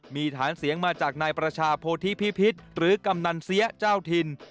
มีฐานเสียงมาจากนายประชาโพธิพิพิษหรือกำนันเสียเจ้าถิ่น